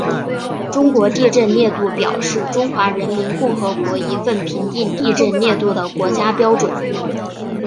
中国地震烈度表是中华人民共和国一份评定地震烈度的国家标准。